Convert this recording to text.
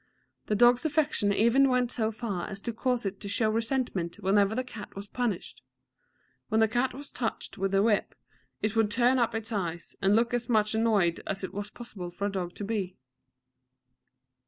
The dog's affection even went so far as to cause it to show resentment whenever the cat was punished. When the cat was touched with the whip, it would turn up its eyes, and look as much annoyed as it was possible for a dog to be.